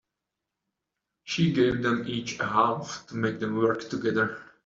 She gave them each a half to make them work together.